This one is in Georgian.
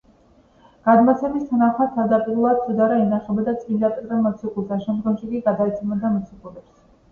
გადმოცემის თანახმად, თავდაპირველად სუდარა ინახებოდა წმინდა პეტრე მოციქულთან, შემდგომში კი გადაეცემოდა მოციქულებს.